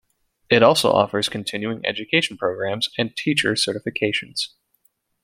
It also offers continuing education programs, and teacher certifications.